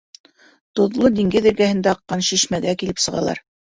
Тоҙло диңгеҙ эргәһендә аҡҡан шишмәгә килеп сығалар.